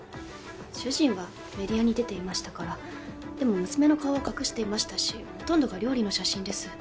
主人はメディアに出ていましたからでも娘の顔は隠していましたしほとんどが料理の写真です